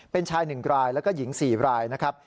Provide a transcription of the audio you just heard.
เป็นชาย๑รายแล้วก็หญิง๔รายนะครับ